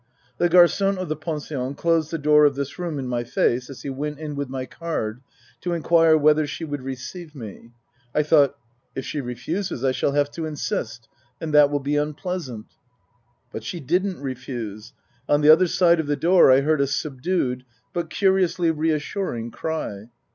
The garfon of the pension closed the door of this room in my face as he went in with my card to inquire whether she would receive me. I thought, " If she refuses I shall have to insist ; and that will be unpleasant." But she didn't refuse. On the other side of the door I heard a subdued, but curiously reassuring cry.